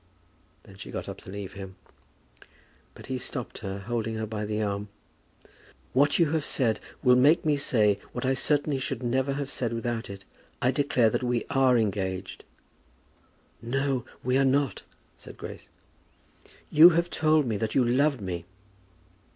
Then she got up to leave him. But he stopped her, holding her by the arm. "What you have said will make me say what I certainly should never have said without it. I declare that we are engaged." "No, we are not," said Grace. "You have told me that you loved me."